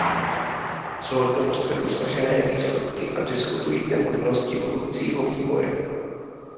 Zhodnoťte dosažené výsledky a diskutujte možnosti budoucího vývoje.